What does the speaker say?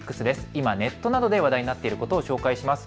今ネットなどで話題になっていることを紹介します。